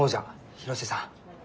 広瀬さん